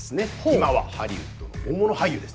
今はハリウッドの大物俳優です。